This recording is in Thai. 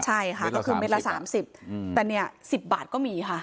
ใช่ค่ะก็คือเม็ดละ๓๐แต่เนี่ย๑๐บาทก็มีค่ะ